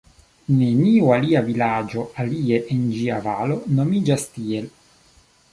Neniu alia vilaĝo, alie en ĝia valo, nomiĝas tiel.